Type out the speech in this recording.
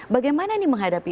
bagaimana nih menghadapi